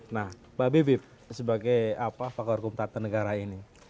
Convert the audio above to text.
nah mbak bibip sebagai pakar hukum tata negara ini